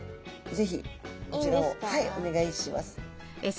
是非こちらをお願いします。